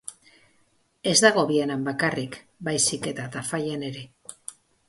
Ez dago Vianan bakarrik, baizik eta Tafallan ere.